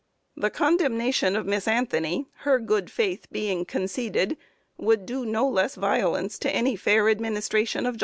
The condemnation of Miss Anthony, her good faith being conceded, would do no less violence to any fair administration of justice.